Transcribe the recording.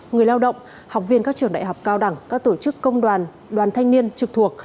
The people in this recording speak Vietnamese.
người lao động học viên các trường đại học cao đẳng các tổ chức công đoàn đoàn thanh niên trực thuộc